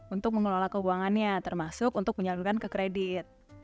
untuk mengelola keuangannya termasuk untuk menyalurkan ke kredit